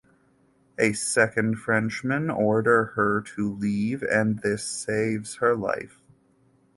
A second Frenchman order her to leave and this saves her life.